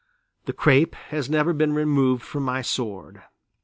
The crape has never been removed from my sword.